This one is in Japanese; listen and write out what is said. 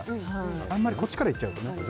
あまりこっちからいっちゃうと。